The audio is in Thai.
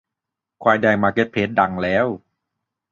ควายแดงมาร์เก็ตเพลสดังแล้ว